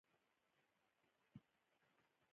پکورې له زړه نه جوړېږي